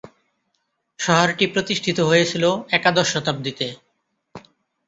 শহরটি প্রতিষ্ঠিত হয়েছিল একাদশ শতাব্দীতে।